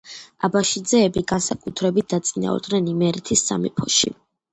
აბაშიძეები განსაკუთრებით დაწინაურდნენ იმერეთის სამეფოში.